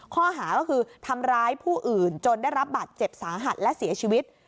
ข้อหาก็คือทำร้ายผู้อื่นจนได้รับบาดเจ็บสาหัสและเสียชีวิต